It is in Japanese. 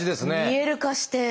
見える化して。